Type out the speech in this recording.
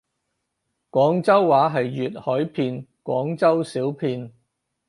廣州話係粵海片廣州小片